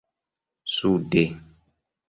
sude